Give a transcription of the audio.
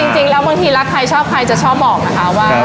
จริงแล้วบางทีรักใครชอบใครจะชอบบอกนะคะว่า